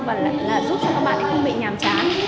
và lại là giúp cho các bạn không bị nhàm chán